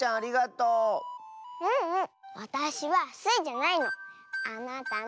ううん。わたしはスイじゃないの。